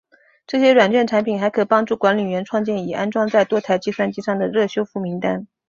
这些软件产品还可帮助管理员创建已安装在多台计算机上的热修复名单。